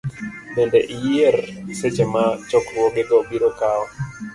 Bende, iyier seche ma chokruogego biro kawo .